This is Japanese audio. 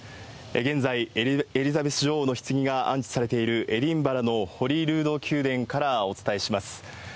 現在、エリザベス女王のひつぎが安置されているエディンバラのホリールード宮殿からお伝えします。